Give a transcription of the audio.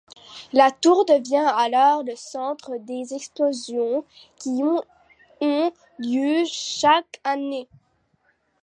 La tour devient alors le centre des expositions qui y ont lieu chaque année.